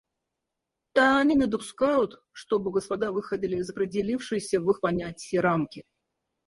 И они не допускают, чтобы господа выходили из определившейся в их понятии рамки.